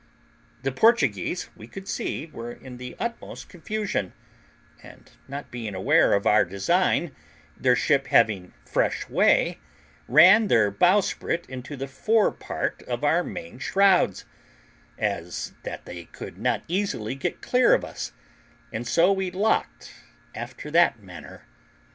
The Portuguese, we could see, were in the utmost confusion; and not being aware of our design, their ship having fresh way, ran their bowsprit into the fore part of our main shrouds, as that they could not easily get clear of us, and so we lay locked after that manner.